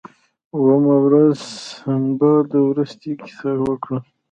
اوومه ورځ سنباد وروستۍ کیسه وکړه.